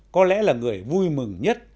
có lẽ là người vui mừng nhất